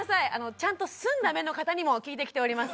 ちゃんと澄んだ目の方にも聞いてきております